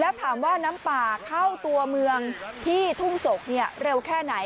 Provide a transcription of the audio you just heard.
แล้วถามว่าน้ำป่าเข้าตัวเมืองที่ทุ่งศกเร็วแค่ไหน